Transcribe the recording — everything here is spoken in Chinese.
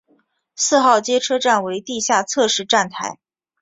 四号街车站为地下侧式站台。